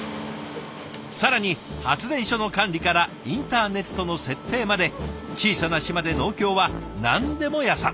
更に発電所の管理からインターネットの設定まで小さな島で農協はなんでも屋さん。